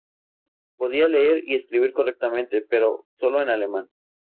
Podía leer y escribir correctamente, pero sólo en alemán.